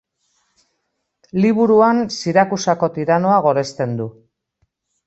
Liburuan, Sirakusako tiranoa goresten du.